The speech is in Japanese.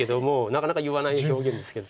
なかなか言わない表現ですけど。